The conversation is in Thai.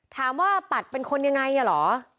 ถามว่าปัดเป็นคนยังไงเหรอ